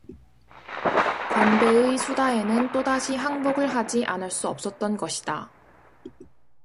건배의 수다에는 또다시 항복을 하지 않을 수 없었던것이다.